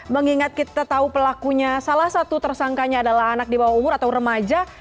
mengingat kita tahu pelakunya salah satu tersangkanya adalah anak di bawah umur atau remaja